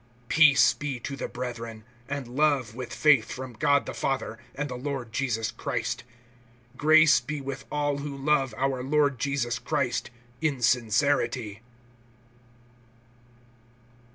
(23)Peace be to the brethren, and love with faith, from God the Father, and the Lord Jesus Christ. (24)Grace be with all who love our Lord Jesus Christ in sincerity.